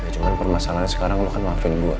cuman permasalahan sekarang lo kan maafin gue